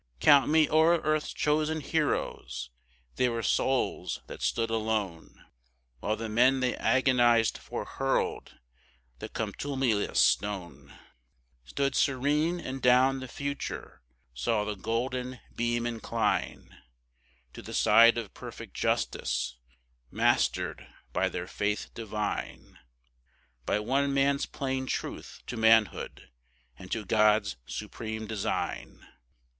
Count me o'er earth's chosen heroes,—they were souls that stood alone, While the men they agonized for hurled the contumelious stone, Stood serene, and down the future saw the golden beam incline To the side of perfect justice, mastered by their faith divine, By one man's plain truth to manhood and to God's supreme design.